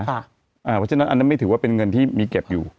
เพราะฉะนั้นอันนั้นไม่ถือว่าเป็นเงินที่มีเก็บอยู่